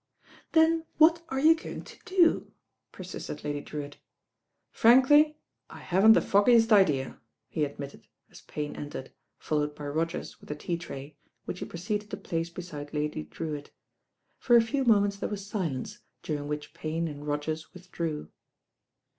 "Then what are you going to do?" persisted Lady Drewitt. "Frankly I haven't the foggiest idea," he admit ted, as Payne entered, followed by Rogers with the tea tray, which he proceeded to place beside Lady Drewitt. For a few moments there was silence, during which Payne and Rogers withdrew.